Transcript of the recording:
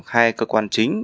hai cơ quan chính